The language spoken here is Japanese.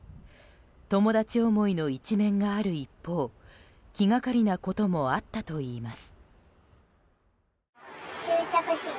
友達思いの一面がある一方気がかりなこともあったといいます。